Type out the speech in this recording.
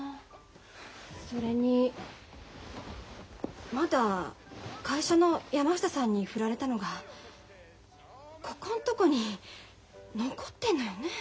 それにまだ会社の山下さんに振られたのがここんとこに残ってんのよね。